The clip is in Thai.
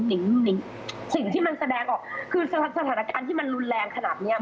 นิงสิ่งที่มันแสดงออกคือสถานการณ์ที่มันรุนแรงขนาดเนี้ย